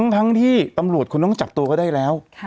ทั้งที่ตำรวจคุณต้องจับตัวเขาได้แล้ว